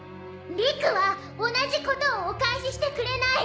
理久は同じことをお返ししてくれない。